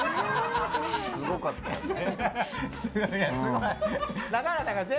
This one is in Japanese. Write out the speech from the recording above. すごかったよね。